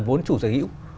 vốn chủ sở hữu